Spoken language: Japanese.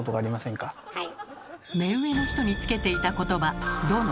目上の人につけていたことば「殿」。